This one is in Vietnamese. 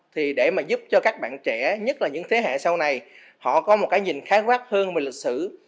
thì để mà giúp cho các bạn trẻ nhất là những thế hệ sau này họ có một cái nhìn khá quát hơn về lịch sử